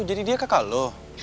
oh jadi dia kakak lo